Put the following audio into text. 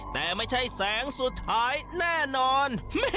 แต่ไม่ใช่แสงสุดท้ายแน่นอน